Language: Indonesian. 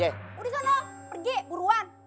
udah di sana pergi buruan